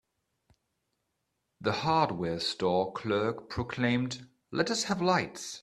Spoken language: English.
The hardware store clerk proclaimed, "Let us have lights!"